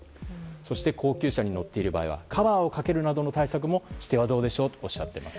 そして、高級車に乗っている場合カバーをかけるなどの対策をしてはどうでしょうとおっしゃっています。